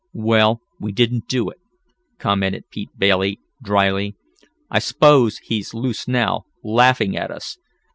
"Well, we didn't do it," commented Pete Bailey, dryly. "I s'pose he's loose now, laughin' at us.